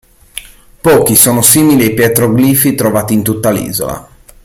Pochi sono simili ai petroglifi trovati in tutta l'isola.